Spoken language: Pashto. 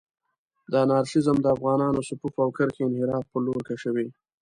دا انارشېزم د افغانانانو صفوف او کرښې انحراف پر لور کشوي.